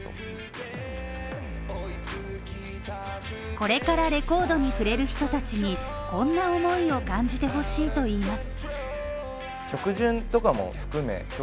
これからレコードに触れる人たちにこんな思いを感じてほしいと言います。